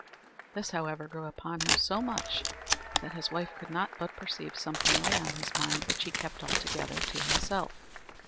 This, however, grew upon him so much that his wife could not but perceive something lay on his mind which he kept altogether to himself.